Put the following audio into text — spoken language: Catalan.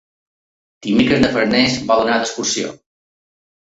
Dimecres na Farners vol anar d'excursió.